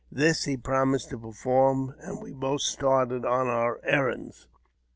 This he promised to perform, and we both started on our errands.